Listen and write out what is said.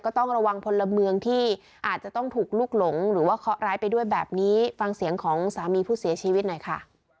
ต้องระวังพลเมืองที่อาจจะต้องถูกลุกหลงหรือว่าเคาะร้ายไปด้วยแบบนี้ฟังเสียงของสามีผู้เสียชีวิตหน่อยค่ะ